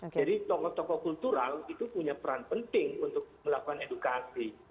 jadi tokoh tokoh kultural itu punya peran penting untuk melakukan edukasi